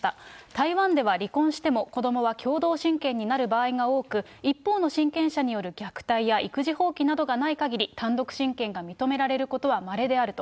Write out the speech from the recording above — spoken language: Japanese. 台湾では離婚しても子どもは共同親権になる場合が多く、一方の親権者による虐待や育児放棄などがないかぎり、単独親権が認められることはまれであると。